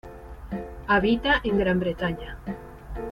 Habita en Gran Bretaña.